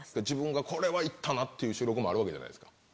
自分がこれは行ったな！っていう収録もあるわけじゃないですか。